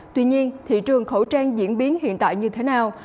tuy nhiên thị trường khẩu trang diễn biến hiện tại như thế nào